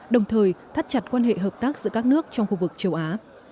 đồng thời thắt chặt quan hệ hợp tác giữa các nước trong khu vực châu á